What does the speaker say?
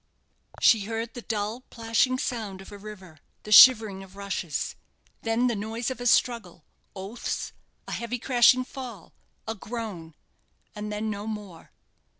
_She heard the dull, plashing sound of a river, the shivering of rushes, then the noise of a struggle, oaths, a heavy crashing fall, a groan, and then no more_!